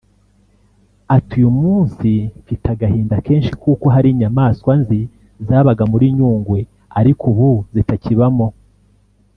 Ati “ Uyu munsi mfite agahinda kenshi kuko hari inyamaswa nzi zabaga muri Nyungwe ariko ubu zitakibamo